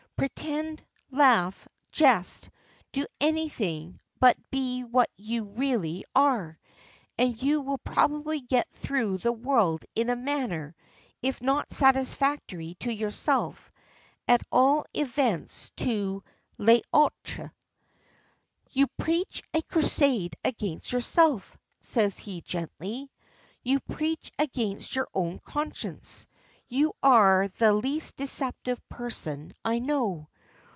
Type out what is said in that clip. Pretend, laugh, jest, do anything, but be what you really are, and you will probably get through the world in a manner, if not satisfactory to yourself, at all events to 'les autres.'" "You preach a crusade against yourself," says he gently. "You preach against your own conscience. You are the least deceptive person I know.